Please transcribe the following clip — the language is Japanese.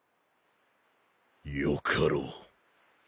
よかろう。